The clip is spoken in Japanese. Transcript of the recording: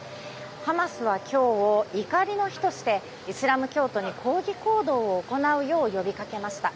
ハマスは今日を怒りの日としてイスラム教徒に抗議行動を行うよう呼びかけました。